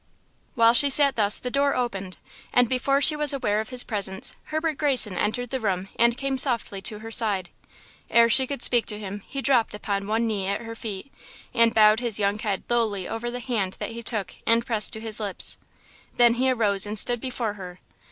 While she sat thus the door opened, and before she was aware of his presence, Herbert Greyson entered the room and came softly to her side. Ere she could speak to him he dropped upon one knee at her feet and bowed his young head lowly over the hand that he took and pressed to his lips. Then he arose and stood before her.